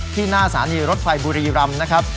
หน้าสถานีรถไฟบุรีรำนะครับ